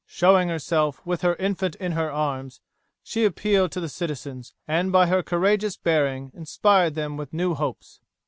Showing herself, with her infant in her arms, she appealed to the citizens, and by her courageous bearing inspired them with new hopes.